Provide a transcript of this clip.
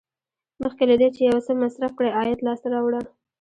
مخکې له دې چې یو څه مصرف کړئ عاید لاسته راوړه.